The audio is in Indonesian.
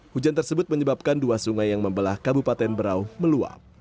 hujan tersebut menyebabkan dua sungai yang membelah kabupaten berau meluap